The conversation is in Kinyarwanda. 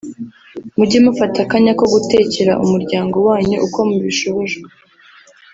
mujye mufata akanya ko gutekera umuryango wanyu uko mubishobojwe